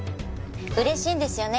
嬉しいんですよね？